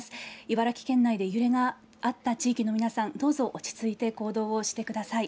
茨城県内で揺れがあった地域の皆さん、どうぞ落ち着いて行動をしてください。